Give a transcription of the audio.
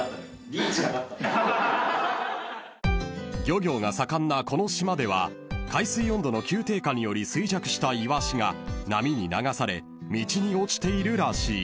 ［漁業が盛んなこの島では海水温度の急低下により衰弱したイワシが波に流され道に落ちているらしい］